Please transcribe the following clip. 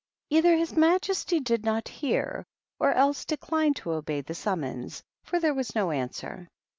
Either his majesty did not hear or else declined to obey the summons, for there was no answer.